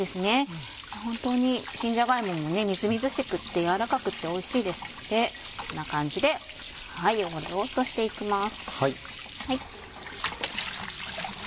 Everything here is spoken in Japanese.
本当に新じゃが芋もみずみずしくて柔らかくておいしいですのでこんな感じで汚れを落としていきます。